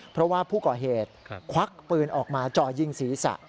เพราะว่าผู้ก่อเหตุควักปืนออกมาจ่อยิงศีรษะ